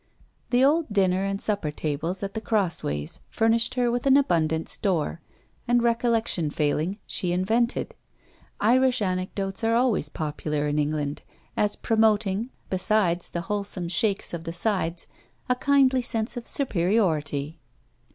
The old dinner and supper tables at The Crossways furnished her with an abundant store; and recollection failing, she invented. Irish anecdotes are always popular in England, as promoting, besides the wholesome shake of the sides, a kindly sense of superiority.